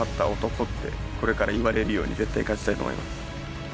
ってこれからいわれるように絶対勝ちたいと思います。